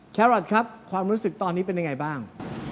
ชารอทครับความรู้สึกตอนนี้เป็นยังไงบ้าง